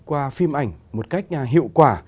qua phim ảnh một cách hiệu quả